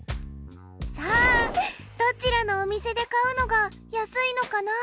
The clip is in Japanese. さあどちらのお店で買うのが安いのかな？